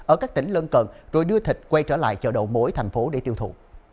ở các tỉnh lân cận rồi đưa thịt quay trở lại chợ đầu mối thành phố để tiêu thụ